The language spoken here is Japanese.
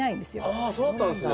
あそうだったんですね。